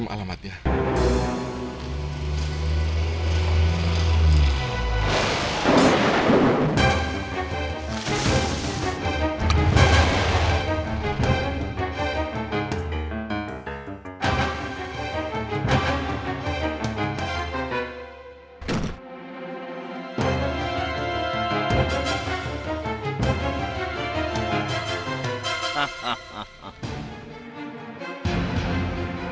kita akan menemukan